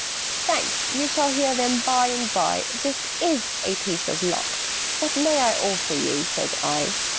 "Thanks! You shall hear them by and by This is a piece of luck!" "What may I offer you?" said I.